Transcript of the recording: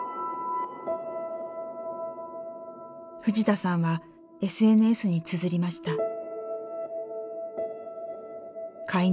藤田さんはＳＮＳにつづりました。